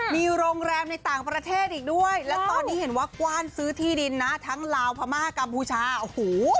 มีโรงแรมในต่างประเทศอีกด้วยแล้วตอนนี้เห็นว่ากว้านซื้อที่ดินนะทั้งลาวพม่ากัมพูชาโอ้โห